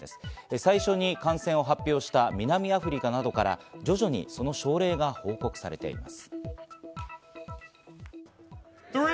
最初に感染を発表した南アフリカなどから、徐々にその症例が報告されています。